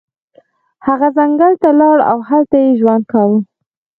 هغه ځنګل ته لاړ او هلته یې ژوند کاوه.